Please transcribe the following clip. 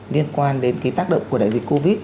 liên quan đến cái tác động của đại dịch covid